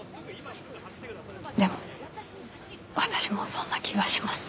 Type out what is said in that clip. でも私もそんな気がします。